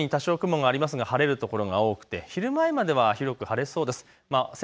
朝はきょうと同じように多少雲がありますが晴れる所が多くて昼前までは広く晴れそうです。